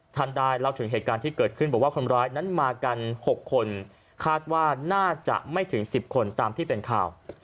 ท่านได้เล่าถึงเหตุการณ์ที่เกิดขึ้นบอกว่าคนร้ายนั้นมากัน๖คนคาดว่าน่าจะไม่ถึง๑๐คนตามที่เป็นข่าว